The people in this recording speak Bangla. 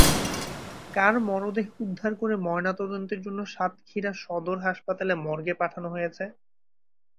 কার মরদেহ উদ্ধার করে ময়নাতদন্তের জন্য সাতক্ষীরা সদর হাসপাতালে মর্গে পাঠানো হয়েছে?